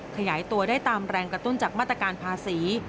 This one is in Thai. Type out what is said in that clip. ขยายตัวได้ตามแรงกระตุ้นจากมาตรการภาษี